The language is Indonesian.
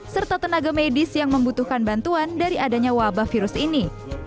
serta tenaga medis yang membutuhkan bantuan dari adanya wabah virus ini